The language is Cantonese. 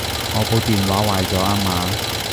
我部電話壞咗吖嘛